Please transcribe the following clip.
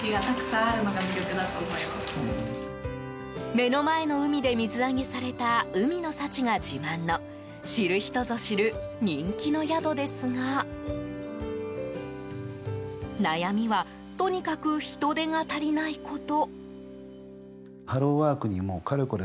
目の前の海で水揚げされた海の幸が自慢の知る人ぞ知る人気の宿ですが悩みはとにかく人手が足りないこと。